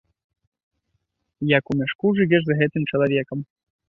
Як у мяшку жывеш з гэтым чалавекам.